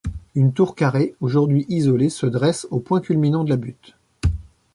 Une tour carrée, aujourd'hui isolée, se dresse au point culminant de la butte.